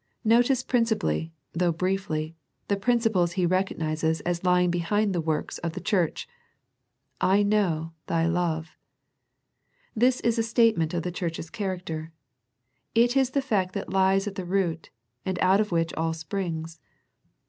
Notice principally, though briefly, the prin ciples He recognizes as lying behind the works of the church. " I know ... thy love." This is a statement of the church's character. It is the fact that lies at the root, and out of which all springs.